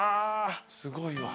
すごいわ。